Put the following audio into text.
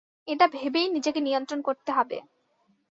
এটা ভেবেই নিজেকে নিয়ন্ত্রণ করতে হবে।